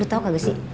lo tau gak sih